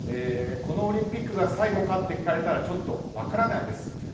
このオリンピックが最後かって聞かれたらちょっと分からないです。